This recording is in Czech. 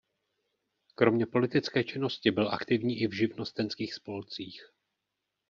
Kromě politické činnosti byl aktivní i v živnostenských spolcích.